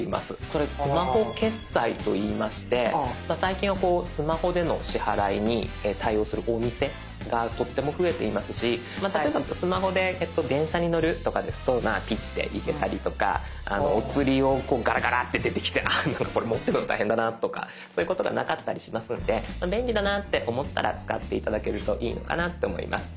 これスマホ決済と言いまして最近はスマホでの支払いに対応するお店がとっても増えていますし例えばスマホで電車に乗るとかですとピッて行けたりとかお釣りをこうガラガラって出てきてこれ持ってるの大変だなとかそういうことがなかったりしますんで便利だなって思ったら使って頂けるといいのかなと思います。